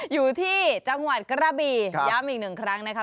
อยู่ที่จังหวัดกระบีย้ำอีกหนึ่งครั้งนะคะ